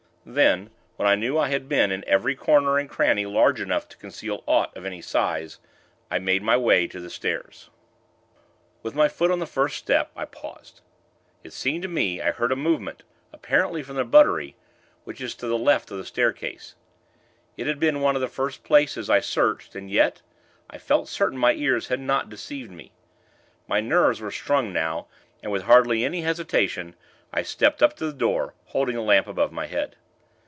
Then, when I knew I had been in every corner and cranny large enough to conceal aught of any size, I made my way to the stairs. With my foot on the first step, I paused. It seemed to me, I heard a movement, apparently from the buttery, which is to the left of the staircase. It had been one of the first places I searched, and yet, I felt certain my ears had not deceived me. My nerves were strung now, and, with hardly any hesitation, I stepped up to the door, holding the lamp above my head.